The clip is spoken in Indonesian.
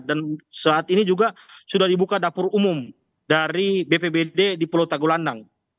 dan saat ini juga sudah dibuka dapur umum dari bpbd di pulau tagulandang